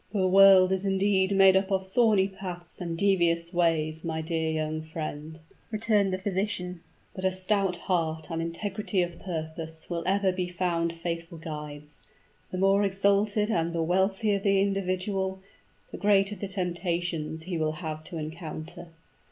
"The world is indeed made up of thorny paths and devious ways, my dear young friend," returned the physician; "but a stout heart and integrity of purpose will ever be found faithful guides. The more exalted and the wealthier the individual, the greater the temptations he will have to encounter.